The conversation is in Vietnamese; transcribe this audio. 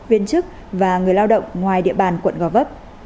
viên chức và người lao động ngoài địa bàn quận gò vấp